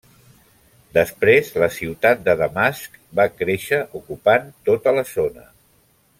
Després la ciutat de Damasc va créixer ocupant tota la zona.